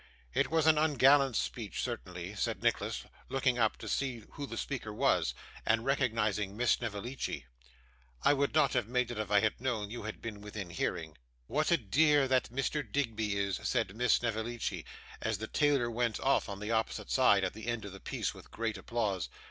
'It was an ungallant speech, certainly,' said Nicholas, looking up to see who the speaker was, and recognising Miss Snevellicci. 'I would not have made it if I had known you had been within hearing.' 'What a dear that Mr. Digby is!' said Miss Snevellicci, as the tailor went off on the opposite side, at the end of the piece, with great applause.